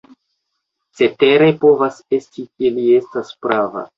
Cetere povas esti, ke li estas prava.